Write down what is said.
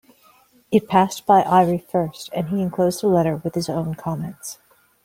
It passed by Eyre first, and he enclosed a letter with his own comments.